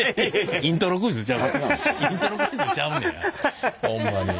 イントロクイズちゃうねやホンマに。